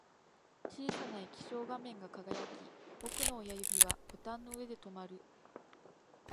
小さな液晶画面が輝き、僕の親指はボタンの上で止まる